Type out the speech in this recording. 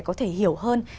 có thể hiểu hơn